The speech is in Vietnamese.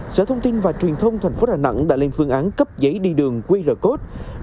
sở thông tin và truyền thông tp đà nẵng đã lên phương án cấp giấy đi đường qr code